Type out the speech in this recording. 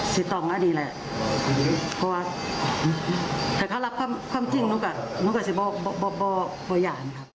แสดงว่าว่าเขาก็ตอบใช่แหละ